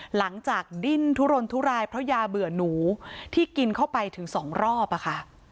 หลังจากดิ้นทุรนทุรายเพราะยาเบื่อหนูที่กินเข้าไปถึงสองรอบอะค่ะ